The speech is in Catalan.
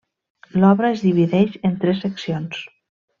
L'obra es divideix en tres seccions.